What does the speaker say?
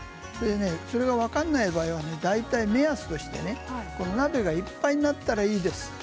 それが分からない場合は目安として鍋がいっぱいになったらいいです。